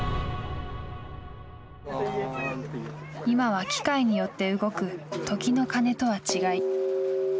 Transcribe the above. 今は機械によって動く時の鐘とは違い